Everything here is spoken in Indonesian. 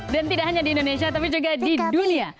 dan tidak hanya di indonesia tapi juga di dunia